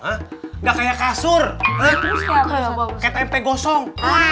nggak kayak kasur kayak tempe gosong